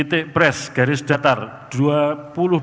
menolak eksepsi termohon dan pihak terkait untuk seluruhnya